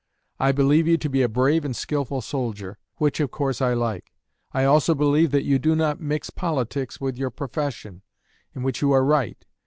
I believe you to be a brave and skilful soldier, which of course I like. I also believe that you do not mix politics with your profession, in which you are right.